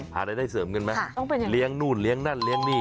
หาได้ได้เสริมเงินไหมค่ะต้องเป็นยังไงเลี้ยงนู่นเลี้ยงนั่นเลี้ยงนี่